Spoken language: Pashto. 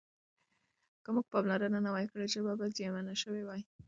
که موږ پاملرنه نه وای کړې ژبه به زیانمنه شوې وای.